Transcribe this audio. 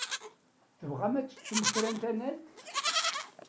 Tebɣam ad teččem kra n tanalt?